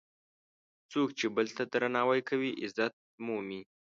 څوک چې بل ته درناوی کوي، عزت مومي.